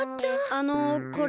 あのこれ。